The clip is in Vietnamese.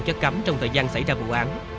chất cấm trong thời gian xảy ra vụ án